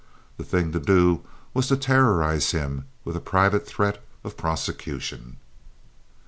The thing to do was to terrorize him with a private threat of prosecution.